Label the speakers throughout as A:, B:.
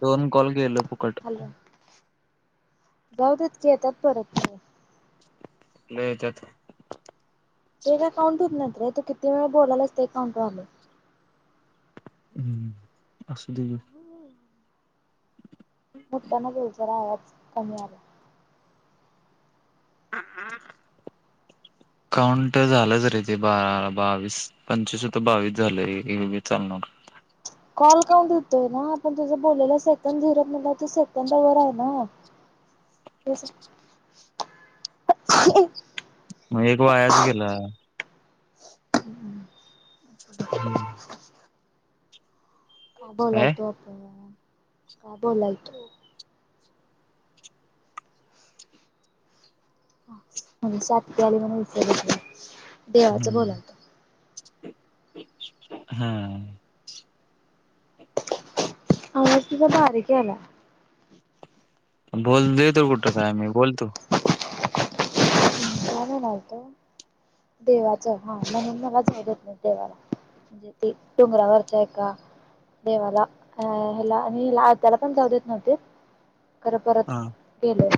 A: दोन कॉल गेलं फुकट.
B: जाऊद्यात की येतात परत.
A: कुठलं येत्यात?
B: ते काय काउंट होत नाहीत रे तू किती वेळ बोलालायस ते काउंट व्हायलय.
A: हम्म असुदे बोल.
B: मोठयान बोल जरा आवाज कमी यालाय.
A: [unintelligible] काउंट झालंच रे ते बा बावीस पंचवीस तर बावीस झालं हे घे चालणार.
B: कॉल काउंट हुतोय ना पण तुझं बोललेला सेकंद झाल्यात म्हणल्यावर तू सेकंद वर आहे ना. [unintelligible]
A: म एक वायाच गेला.
B: [inaudible]
A: हम्म काय
B: [unintelligible] म्हणजे साती आली म्हण विचर देवाचं
A: हम्म
B: बोलावत.
A: हा
B: आवाज [unintelligible] बारीक यायला.
A: बोल देतो कुठं काय मी बोलतो.
B: काय म्हणालतो. देवाच हा म्हणून मला जाऊ देत नाही देवाला. म्हणजे ते डोंगरावरच्या एका. देवाला, अ हला आणि त्याला पण जाऊ देत नव्हते. खरं परत
A: हा
B: गेलो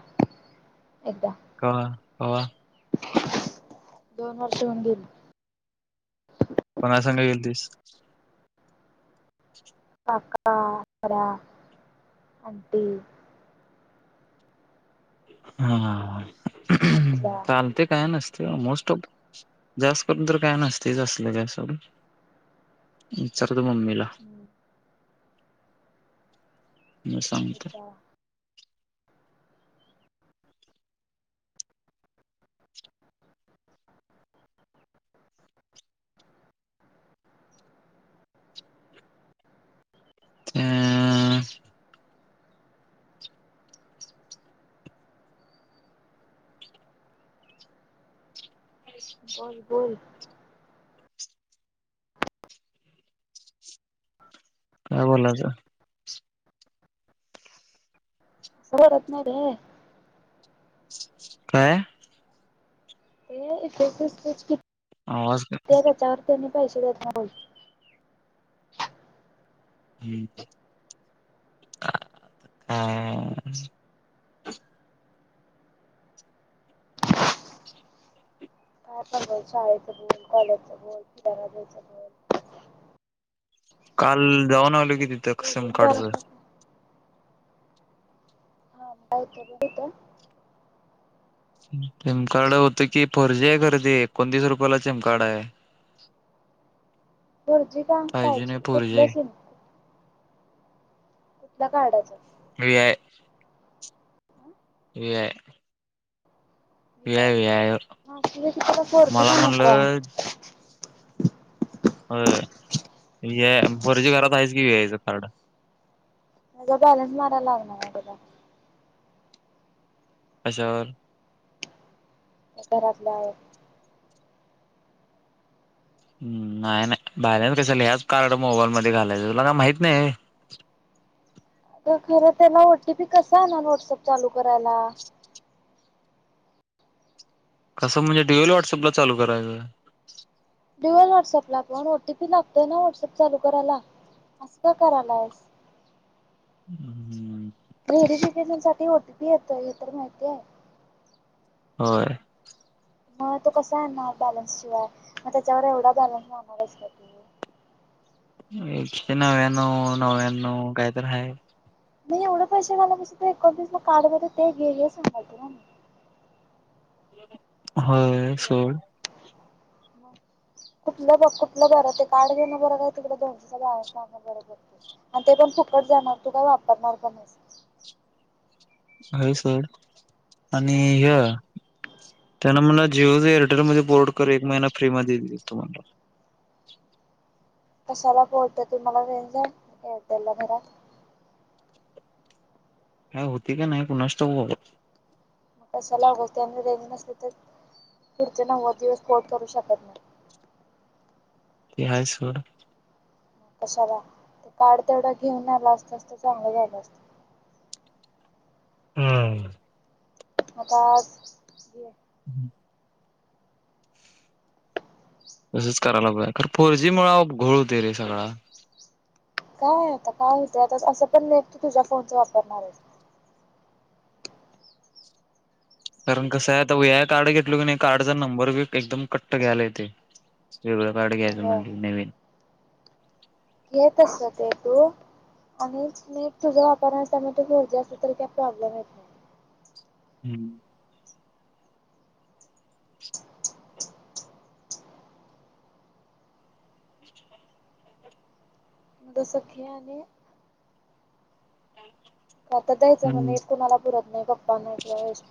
B: एकदा.
A: कवा कवा.
B: दोन वर्ष होऊन गेली.
A: कोना संग गेलतीस? [inaudible]
B: काका, अरा, आंटी.
A: हम्म
B: आज्या.
A: चालते काय नसते मोस्ट ऑफ जास्त करून तर काय नसतेच असले काही साडू. विचारतो मम्मीला.
B: ह्
A: म सांगत.
B: अच्छा
A: ह्म्म्म [inaudible]
B: ब बोल.
A: काय बोलयच.
B: घोरत नाही रे.
A: अ काय? आवाज
B: [unintelligible]
A: हम्म हा
B: काय पण बोल शाळेचं बोल, कॉलेजचं बोलेच, तुझ्या घरच बोल.
A: काल जाऊन आलो कि तीथं सम
B: बोलून जायला
A: काढचं.
B: लागलं हा आहे कि नि तिथ.
A: सिम कार्ड होत की, फोर जी आहे कारे ते कोणतीस रुपयाला सिम कार्ड आहे. [inaudible]
B: फोरजी का
A: फाय जी
B: फायजी
A: नाही फोर जी
B: कुठल
A: आहे
B: सिम? कुठला ल काडायच.
A: एआय. एआय
B: ऐ आय च. फोरजी
A: मला
B: पण नको हाय.
A: म्हणलं हो या फोरजी घरात आहेच की एआयच कार्ड.
B: त्याला बॅलन्स मारायला लावणार त्याला.
A: कशावर.
B: घरातल्यावर.
A: हम नाही नाही बँलन्स कशाला ह्याच कार्ड मोबाईल मध्ये घालायचं तुला का माहित नाही.
B: तर खरं त्यांना ओटीपी कस आणेल व्हॉटसअप चालू करायला?
A: कस म्हणजे डिएल व्हटसअप ला चालू करायंच.
B: डल व्हॉट्सअप ला पण ओ टीपी लागतोय ना व्हॉट्सअप चालू करायला असं का करायलायस.
A: हम्म हम्
B: व्हेरिफिकेशन साठी ओटी पी येत हे तर माहितीय.
A: होय
B: मग तो कसा येणार बॅलन्स शिवाय मग त्याच्यावर एवढा बॅलन्स मारणारच.
A: एके नव्या्व नव्याण्णव काहीतरी आहे.
B: मी एवढं पैसे घाला पेक्षा एकोणतीस ला कार्ड भेटते ते घे हे सांगते ना मी
A: होय
B: समजलं काय
A: सोड
B: मग कुठलं ब कुठलं बरं ते कार्ड घेणं बरं काय तिकडे दोनशे बार बरोर. आणि ते पण फुकट जाणार तू का वापरणार पण नाही.
A: हाय सर आणि
B: मग
A: ह्या. त्यान मला जिओ एअरटेल मध्ये बोर्ड कर एक महिना फ्री मध्ये दि तुम्हाला
B: कशाला बोलतो तुम्हाला रेंज नाही एअरटेल ला घराात.
A: काय होती का नाही कुणास ठाउक
B: तलाग त्यां त्यां नसते तर फिरते नवव दिवस कोट करू शकत नाही.
A: ति हाय सर
B: मग कशाला ते कार्ड तेवढा घेऊन आला असतास तर चांगलं झालं असत.
A: हम्म
B: हताज घ
A: [inaudible] तसंच करायला पाहे खर फोर जी मुळं अप घोळ होतोय रे सगळा.
B: काय आहे आता काय होेतय आता असं पण नेट तू तुझ्या फोनच वापरणार आहेस.
A: कारण कसं आहे आता वया कार्ड घेतलो की नाही कार्डचा नंबर बी एकदम कट्ट घ्यायला येतय. वेगळं काढ घ्यायचं
B: होय
A: म्हणजे नवीन
B: येत असते तू आणि म तुझा वापर घरजे अस त काय प्रॉब्लेम येत.
A: हम्म
B: द सखी आणि
A: रिकाम
B: आता द्यायचं म्हणल की कुणाला पुरत नाही गप्पा नाही किंवा यश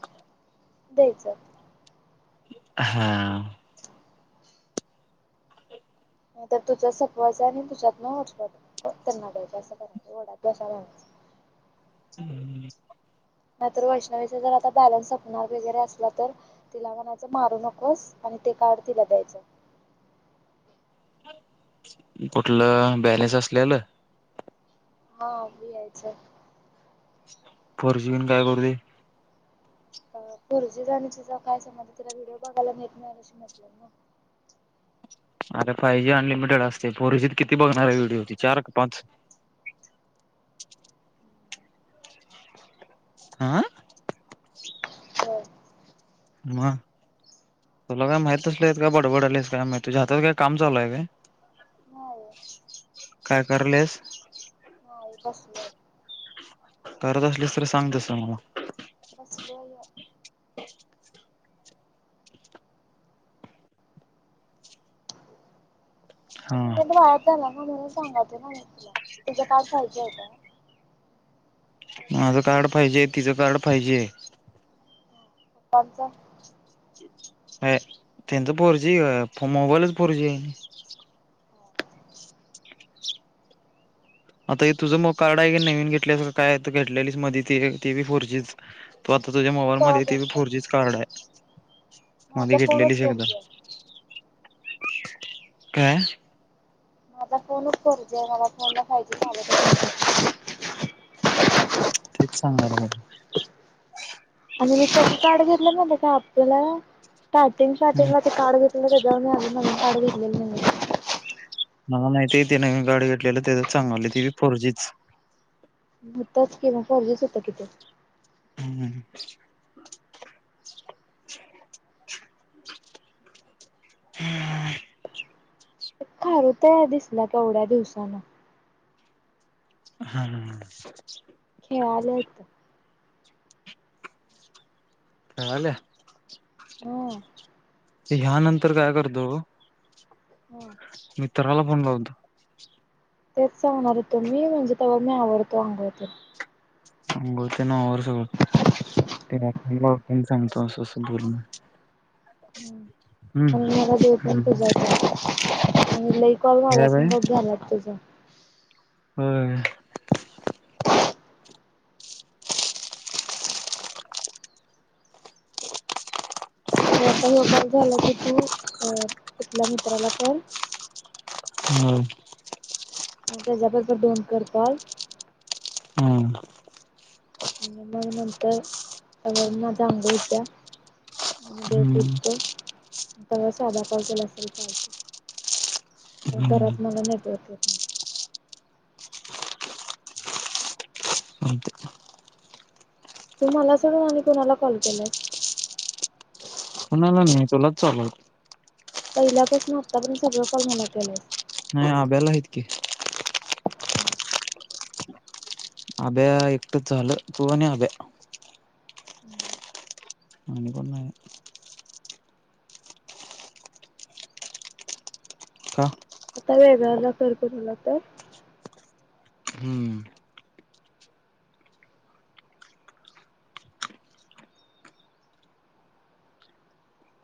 B: द्यायचं.
A: हा.
B: नाही तर तुझं सपवायचं आणि तुझ्यात न हॉटस्पॉट [unintelligible] त्यांना द्यायच असं करायच वडाच्या [unintelligible]
A: हम्म.
B: नाहीतर वैष्णवीचा जर आता बॅलन्स सपणार वगैरे असला तर तिला म्हणायचं मारू नकोस आणि ते कार्ड तिला द्यायचं.
A: कुठलं? बॅलेन्स असलेलं.
B: हो मी यायचं आहे.
A: फोर जी घिऊन काय करू ते?
B: अ फोर जी चा आणि तुझा काय संबंध तिला व्हिडिओ बघायला नेट नाहीत अशी म्हटलेल ना.
A: अरे फाय जी अनलिमिटेड असते, फोर जीत किती बघणार आहे व्हिडिओ ती चार का पाच? ह.
B: हय.
A: म तुला काय माहीत असलंयत का बडबडायलीस काय माहित तुझ्या हातात काय काम चालु आहे काय?
B: नाहीये.
A: काय करलेस? [inaudible]
B: आई बसले.
A: करत असलीस तर सांग त्या समोर.
B: व्हय. म तु
A: हा
B: नीट वायात झाला ना म्हणून सांगायचो ना मी तुला तुझं काय पाहिजे आहे काय?
A: माझं कार्ड पाहिजे, तिचं कार्ड पाहिजे
B: कोणचा.
A: हाये तेंचा फोर जी अ फ मोबाईलच फोर जी आहे. आता हे तुझं मग कार्ड आहे की नवीन घेतलय का काय घेतलेलीस मधी ते ते बी फोर जीच. तू आता तुझ्या
B: मी
A: मोबाईल
B: कवा
A: मध्ये ते बी
B: घेतलं
A: फोर जीच कार्ड आहे मध्ये
B: माझा फोनच
A: घेतलेलीस
B: फोर
A: एकदा.
B: जी आहे
A: काय?
B: माझा फोनच फोर जी आहे मला फोन ला फाय जी चालतच
A: तेच सांगालो मी.
B: आणि मी त्याच कार्ड घेतलं म्हणे का आपल्याला स्टार्टिंग
A: मला
B: शार्टिंगला ते कार्ड घेतलेलं त्याच्यावर मी अजून नवीन कार्ड घेतलेल नाहीये.
A: मला माहिती आहे ते नवीन कार्ड घेतलेल त्याचाच सांगायले ते बी फोर जीच.
B: होतच कि मग फोरजी होते की ते.
A: हम्म, हम्म. [inaudible]
B: खारू ताया दिसल्या केवढ्या दिवसान.
A: ह ह ह.
B: खेळालेय त्या.
A: खेळाल्या.
B: हुं.
A: ह्यानंतर काय करतो.
B: हम्म.
A: मित्राला फोन लावतो.
B: तेच सांगणार होतो मी म्हणजे तेव्हर मी आवरतो अंघोळ ते.
A: अंघोळ तेन आवर सगळं. ते डॅक्टर बी लावतोय न सांगतो असं असं बोलण.
B: हम्म आणि मला देव पण पुजायचय. आणि लई कॉल झाल्या
A: काय बाई
B: संगत झाल्यात तुझा.
A: होय.
B: त्याचा निकाल झाला की तू तिथल्या मित्राला कर
A: हो की.
B: येता जाता दोन कर कॅल
A: हम्म.
B: आणि मग नंतर सगळ्यांना जांभूळ द्या. आणि या
A: हम्म
B: नंतर मला साधा कॅल केला तरी चालेल.
A: हम्म
B: घरात मला नेटवर्क येत नाही.
A: चालतंय
B: तू मला सोडून आणि कोणाला कॉल केलायस?
A: कुणाला नाही तुलाच चालू आहे.
B: पहिल्यापासून आत्तापर्यंत सगळं कॉल मला केलास.
A: नाही आभ्याला आहेत की.
B: [inaudible]
A: आभ्या एकटे झालं तू आणि आभ्या
B: [inaudible]
A: [unintelligible] पण नाही. का?
B: आता वेगळा ला कर कुठला तर
A: हम्म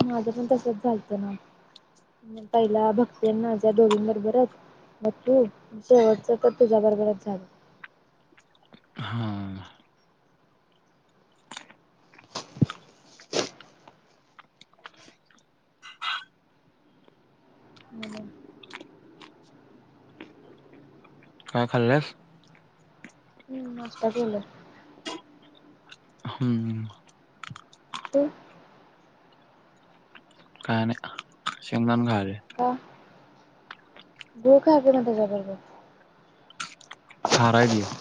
B: माझं पण तसच झालतं ना पहिला भक्ती ना माझ्या दोघीं बरोबरच मग तू शेवटच तर तुझ्या बरोबरच झालं.
A: हा
B: म्हणून
A: काय खाल्ल्यास?
B: हम्म नाष्टा केलाय.
A: हम्म
B: हो
A: काय आणिक? शेंगदाणे खायलोय.
B: हां पुढे काय बोलणं त्याच्या बरोबर
A: हा [unintelligible]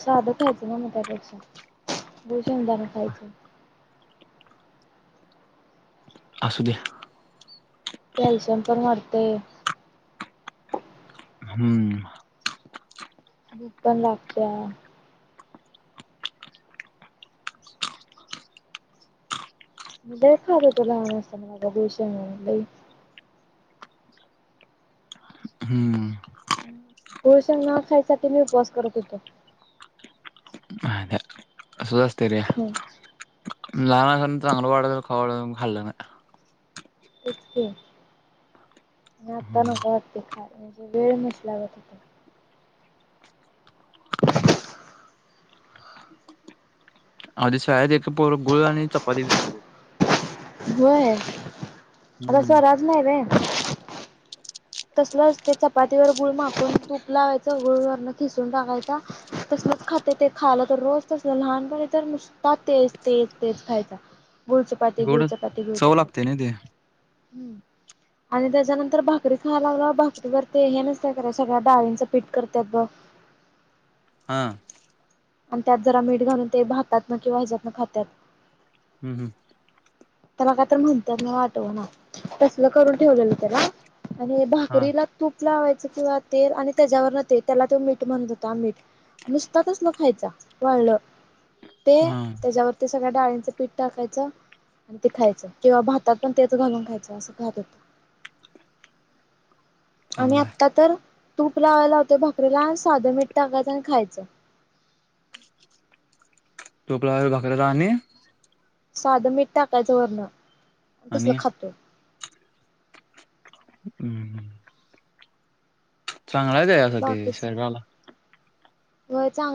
B: साधं खायचं ना त्यापेक्षा गुळ शेंगदाणे खायच.
A: असू द्या
B: कॅल्शियम पण वाढतेय.
A: हम्म
B: भूक पण लागतंय. मी लय खात होतो लहान असताना गुळ शेंगदाणे लय.
A: हम्म
B: गुळ शेंगदाणे खायसाठी मी उपवास करत होतो.
A: [unintelligible] असच असतय रे.
B: हं
A: लहान लहान असताना चांगला वाटायचं म्हणून हा वाटायचं पण खाल्लं नाही.
B: तेच की आता
A: हम्म
B: नको वाटते खायला म्हणजे वेळ नसल्यावर
A: आधी शाळेत एक पोर गुळ आणि चपाती.
B: होय आता
A: हम्म.
B: स्वराज नाही आहे र. तसलच ते चपातीवर गुळ माकून तूप लावायचं गुळ वरून खिसून टाकायचा. तसलंच खाते ते खायला तर रोज तस लहानपणी तर मु पहा तेच तेच खायचा गुळ चपाती
A: गोड
B: गुळ चपाती गुळ
A: चव
B: चपाती.
A: लागते ना ते
B: आणि त्याच्यानंतर भा तरी खायला ते भाकरी बरोबर करतात ते सगळ्या डाळींचे पीठ करतात बघ.
A: हां
B: आणि त्यात जरा मीठ घालून ते भातात ना किंवा ह्याच्यात ना खातात.
A: हम्म हम्म
B: तर मग आ तर म्हणतात ना आठवना तसल करून ठेवलेलं त्याला. आणि
A: हा
B: भाकरीला तूप लावायचं किंवा तेल आणि त्याच्यावर न ते त्याला ते मीठ म्हणत होत मीठ. नुसताच तसलच खायचा वाळलं. ते
A: हा
B: त्याच्यावरती सगळ्या डाळीचं पीठ टाकायचं. आणि ते खायचं किंवा भात पण तेच घालून खायचं असं खात होतं. आणि
A: चांगला आहे.
B: आत्ता तर तूप लावायला होतें भाकरीेला साधं मीठ टाकायचं आणि खायचं.
A: तूप लावायचं भाकरीला आणि
B: साधं मीठ टाकायचं वरण तसलं
A: आणि
B: खातो.
A: हम्म हम्म चांगला आहेच यासाठी
B: बाकीच
A: शरीराला.
B: होय चांग